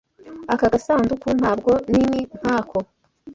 Aka gasanduku ntabwo nini nkako.